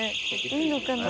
「いいのかな？」